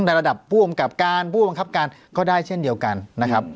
ระดับผู้อำกับการผู้บังคับการก็ได้เช่นเดียวกันนะครับ